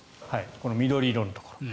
この緑色のところ。